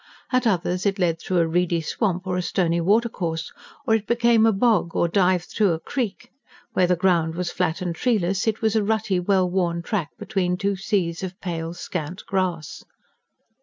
At others, it led through a reedy swamp, or a stony watercourse; or it became a bog; or dived through a creek. Where the ground was flat and treeless, it was a rutty, well worn track between two seas of pale, scant grass.